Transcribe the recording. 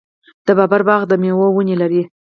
د بابر باغ د میوو ونې لري.